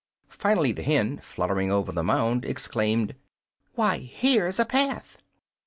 Finally the hen, fluttering over the mound, exclaimed: "Why, here's a path!"